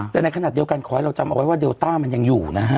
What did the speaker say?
แต่ในขณะเดียวกันขอให้เราจำเอาไว้ว่าเดลต้ามันยังอยู่นะฮะ